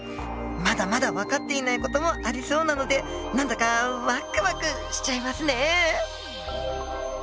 まだまだ分かっていない事もありそうなので何だかワクワクしちゃいますね！